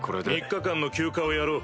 ３日間の休暇をやろう。